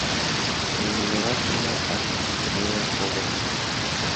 El mineral tenía alto contenido en cobre.